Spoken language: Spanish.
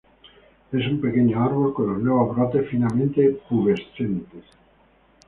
Es un pequeño árbol con los nuevos brotes finamente pubescentes.